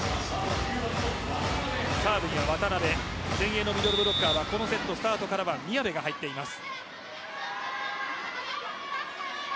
サーブは渡邊前衛ミドルブロッカーはこのゲームスタートから宮部が入っています。